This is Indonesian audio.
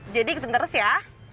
jadi kita terus ya